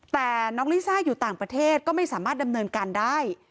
แต่น้องลิซ่าอยู่ต่างประเทศก็ไม่สามารถดำเนินการได้